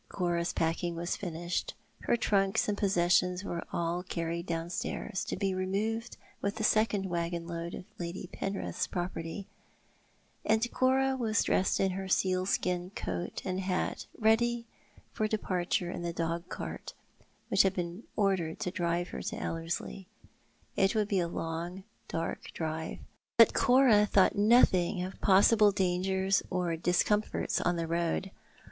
Cora's packing was finished, her trunks and possessions were all carried downstairs, to bo removed with a second waggon load of Lady Penrith's property, and Cora was dressed in her sealskin coat and hat ready for departure in the dog cart which had been ordered to drive her to Ellerslie. It would be a long dark drive, but Cora thought nothing of possible dangers or discomforts on the road.